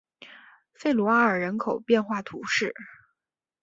弗鲁阿尔人口变化图示